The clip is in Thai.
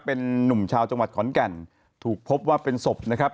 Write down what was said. เป็นนุ่มชาวจังหวัดขอนแก่นถูกพบว่าเป็นศพนะครับ